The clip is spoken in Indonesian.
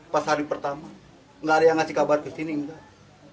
pas hari pertama nggak ada yang ngasih kabar ke sini enggak